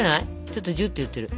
ちょっとジュッと言ってる。